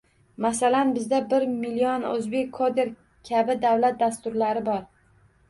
Masalan, bizda “bir million oʻzbek koder” kabi davlat dasturlari bor.